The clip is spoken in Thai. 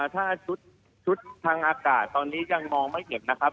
ถ้าชุดทางอากาศตอนนี้ยังมองไม่เห็นนะครับ